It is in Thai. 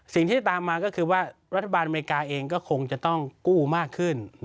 สิ่งที่จะตามมาก็คือว่ารัฐบาลอเมริกาเองก็คงจะต้องกู้มากขึ้น